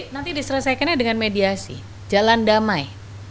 nanti diselesaikannya dengan mediasi jalan damai